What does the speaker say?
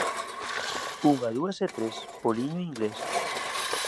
Unha, dúas e tres, poliño inglés